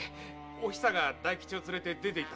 おひさが大吉を連れて出ていった。